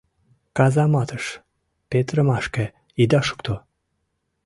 Казаматыш петырымашке ида шукто.